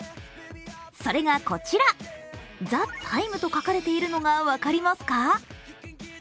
それがこちら、「ＴＨＥＴＩＭＥ，」と書かれているのが分かりますか？